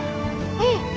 うん。